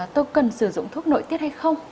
tôi cần sử dụng thuốc nội tiết hay không